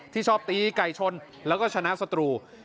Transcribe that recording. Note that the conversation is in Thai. ชอบตีไก่ชนแล้วก็ชนะสตรู